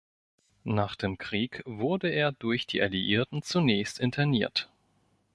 Nach dem Krieg wurde er durch die Alliierten zunächst interniert.